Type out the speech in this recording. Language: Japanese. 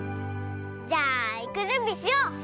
じゃあいくじゅんびしよう！